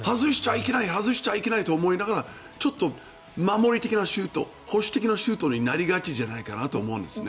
外しちゃいけないと思いながらちょっと守り的なシュート保守的なシュートになりがちじゃないかなと思うんですね。